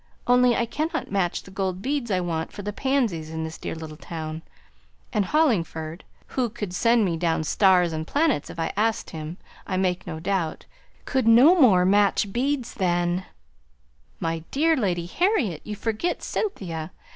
Only I cannot match the gold beads I want for the pansies in this dear little town; and Hollingford, who could send me down stars and planets if I asked him, I make no doubt, could no more match beads than " "My dear Lady Harriet! you forget Cynthia!